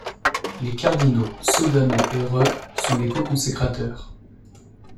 Les cardinaux Sodano et Re sont les co-consécrateurs.